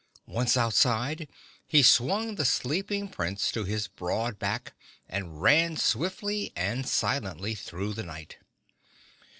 Once outside, he swung the sleeping Prince to his broad back and ran swiftly and silently through the night.